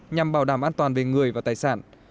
nhằm bảo đảm an toàn về người và tài sản